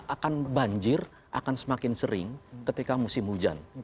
akan banjir akan semakin sering ketika musim hujan